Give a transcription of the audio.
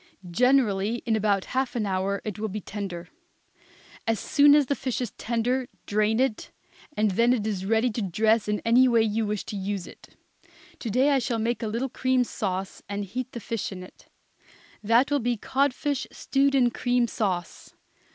Generally in about half an hour it will be tender. As soon as the fish is tender drain it, and then it is ready to dress in any way you wish to use it. To day I shall make a little cream sauce, and heat the fish in it. That will be codfish stewed in cream sauce.